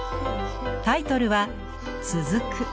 タイトルは「つづく」。